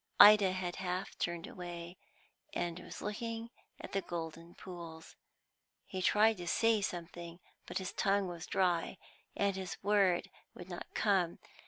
Ida had half turned away, and was looking at the golden pools. He tried to say something, but his tongue was dry, and the word would not come.